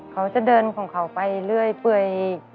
เขาจะเดินของเขาไปเรื่อย